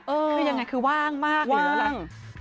คือยังไงคือว่างมากหรืออะไร